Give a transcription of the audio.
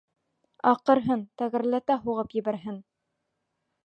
Аҡырһын, тәгәрләтә һуғып ебәрһен!